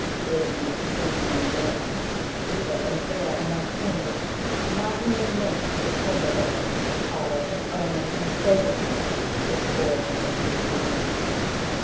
Laden with skins from the north, Beaver and bear and raccoon, Marten and mink from the polar belts, Otter and ermine and sable pelts The spoils of the hunter's moon.